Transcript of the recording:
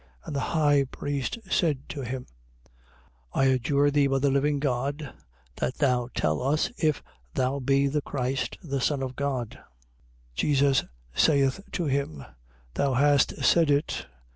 And the high priest said to him: I adjure thee by the living God, that thou tell us if thou be the Christ the Son of God. 26:64. Jesus saith to him: Thou hast said it.